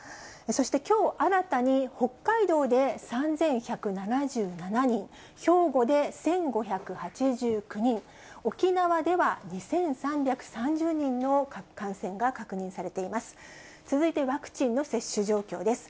そして、きょう新たに北海道で３１７７人、兵庫で１５８９人、沖縄では２３３０人の感染が確認されています。